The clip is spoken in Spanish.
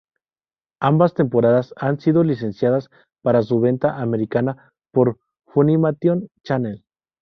Ambas temporadas han sido licenciadas para su venta americana por Funimation Channel.